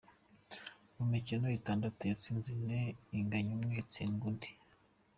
Mu mikino itandatu, yatsinze ine, inganya umwe itsindwa undi.